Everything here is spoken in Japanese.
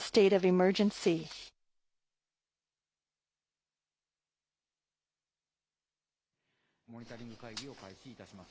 モニタリング会議を開始いたします。